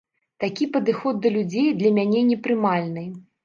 Такі падыход да людзей для мяне непрымальны.